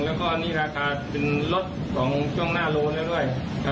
แล้วก็อันนี้ราคาเป็นลดของช่องหน้ารถน้อยด้วย